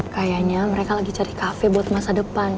kayaknya mereka lagi cari kafe buat masa depan